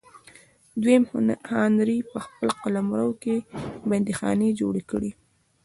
دویم هانري په خپل قلمرو کې بندیخانې جوړې کړې.